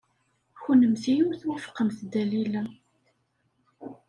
Kennemti ur twufqemt Dalila.